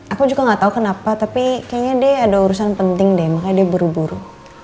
aku juga gak tau kenapa tapi kayaknya deh ada urusan penting deh makanya dia buru buru